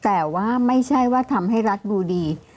แต่ว่าไม่ใช่ว่าทำให้รัฐดูดี